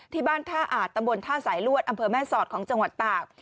ที่บ้านท่าอาจตำบลท่าสายลวดอำเภอแม่สอดของจังหวัดตาก